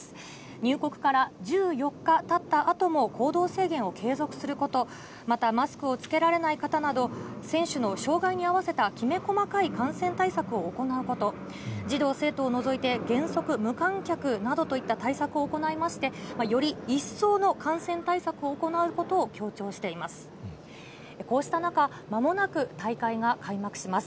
入国から１４日たったあとも行動制限を継続すること、また、マスクを着けられない方など、選手の障がいに合わせたきめ細かい感染対策を行うこと、児童・生徒を除いて原則無観客などといった対策を行いまして、より一層の感染対策を行うことを強調しています。